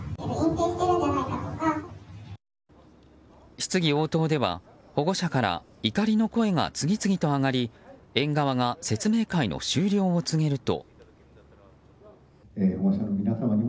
質疑応答では保護者から怒りの声が次々と上がり園側が説明会の終了を告げると。